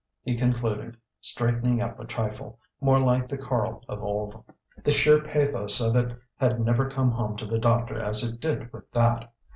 he concluded, straightening up a trifle, more like the Karl of old. The sheer pathos of it had never come home to the doctor as it did with that.